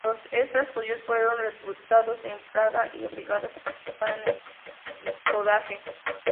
Los extras judíos fueron reclutados en Praga y obligados a participar en el rodaje.